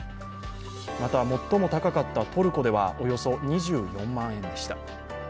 また、最も高かったトルコではおよそ２４万円でした。